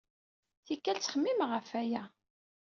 Tikkal, ttxemmimeɣ ɣef waya.